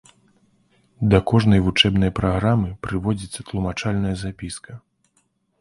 Да кожнай вучэбнай праграмы прыводзіцца тлумачальная запіска.